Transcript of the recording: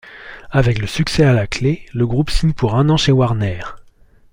Avec le succès à la clé, le groupe signe pour un an chez Warner.